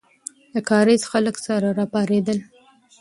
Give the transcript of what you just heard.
د کارېز خلک سره راپارېدل.